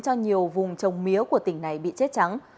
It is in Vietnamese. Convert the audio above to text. cho nhiều vùng trồng mía của tỉnh này bị chết trắng